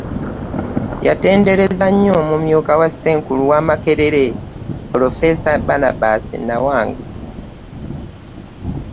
Yatenderezza nnyo omumyuka wa ssenkulu wa Makerere, ppulofeesa Barnabas Nawangwe